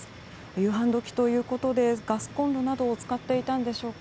夕飯時ということでガスコンロを使っていたのでしょうか。